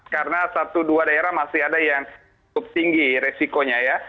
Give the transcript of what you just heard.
karena satu dua daerah masih ada yang cukup tinggi resikonya ya